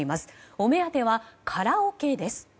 お目当てはカラオケです。